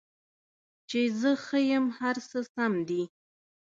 چې زه ښه یم، هر څه سم دي